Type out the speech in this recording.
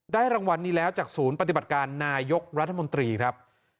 รางวัลนี้แล้วจากศูนย์ปฏิบัติการนายกรัฐมนตรีครับ